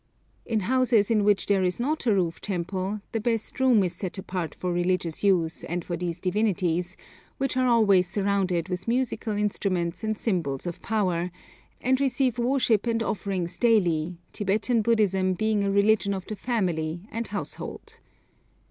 In houses in which there is not a roof temple the best room is set apart for religious use and for these divinities, which are always surrounded with musical instruments and symbols of power, and receive worship and offerings daily, Tibetan Buddhism being a religion of the family and household.